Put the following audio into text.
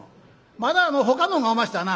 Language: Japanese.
まだほかのがおましたな？